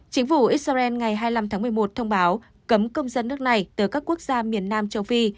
chính phủ israel ngày hai mươi năm tháng một mươi một thông báo cấm công dân nước này từ các quốc gia miền nam châu phi